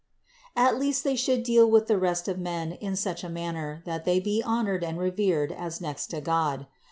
At least they should deal with the rest of men in such a manner that they be honored and revered as next to God.